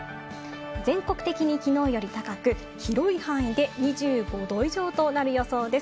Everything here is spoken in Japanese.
全国的にきのうより高く、広い範囲で２５度以上となる予想です。